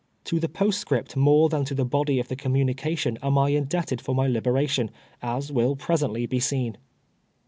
To the postscript more than to the body of the communica tion am I indebted for my liberation, as will present ly be seen.